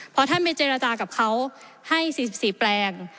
พอท่านไปเจรจากับเขาให้๔๔แปลง